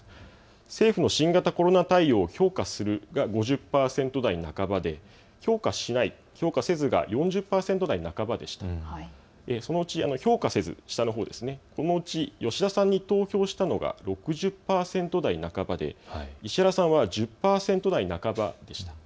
政府の新型コロナ対応を評価するが５０％台半ばで評価せずが４０％台半ば、そのうち評価せずのうち、吉田さんに投票したのが６０％台半ばで石原さんは１０％台半ばでした。